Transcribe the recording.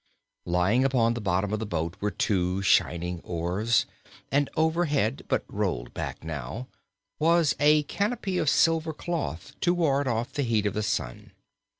Lying upon the bottom of the boat were two shining oars, and overhead, but rolled back now, was a canopy of silver cloth to ward off the heat of the sun.